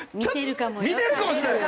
見てるかもよ。